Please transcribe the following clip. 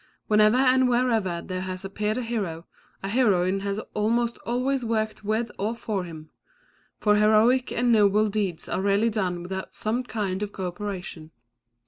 Whenever and wherever there has appeared a hero, a heroine has almost always worked with or for him; for heroic and noble deeds are rarely done without some kind of coöperation.